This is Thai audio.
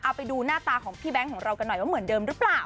เอาไปดูหน้าตาของพี่แบงค์ของเรากันหน่อยว่าเหมือนเดิมหรือเปล่า